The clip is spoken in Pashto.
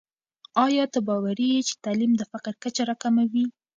آیا ته باوري یې چې تعلیم د فقر کچه راکموي؟